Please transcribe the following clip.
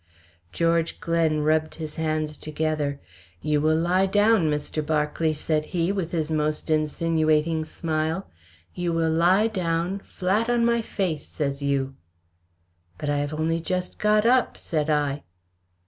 George Glen rubbed his hands together. "You will lie down, Mr. Berkeley," said he, with his most insinuating smile. "You will down, 'flat on my face,' says you." "But I have only just got up," said I.